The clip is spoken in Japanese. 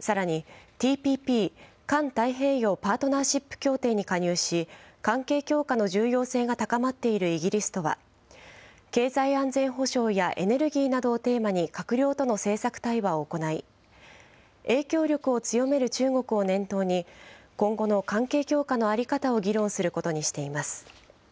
さらに、ＴＰＰ・環太平洋パートナーシップ協定に加入し、関係強化の重要性が高まっているイギリスとは、経済安全保障やエネルギーなどをテーマに閣僚との政策対話を行い、影響力を強める中国を念頭に、今後の関係強化の在り方を議論することにしています。